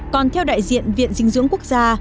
còn theo đại diện viện dinh dưỡng quốc gia